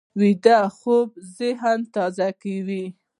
ویده خوب ذهن تازه کوي